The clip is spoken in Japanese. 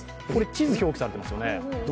地図表記されていますよね。